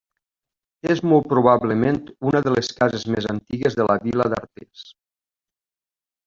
És molt probablement, una de les cases més antigues de la vila d'Artés.